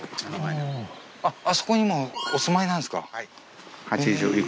あそこにもお住まいなんですか？